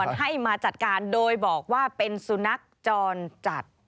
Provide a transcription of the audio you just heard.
ให้มาจัดการโดยบอกว่าเป็นสุนัขจรจัด